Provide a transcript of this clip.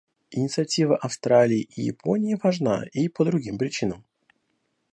Инициатива Австралии и Японии важна и по другим причинам.